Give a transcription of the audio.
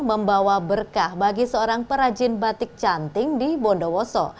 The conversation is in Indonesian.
membawa berkah bagi seorang perajin batik cantik di bondowoso